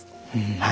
はい。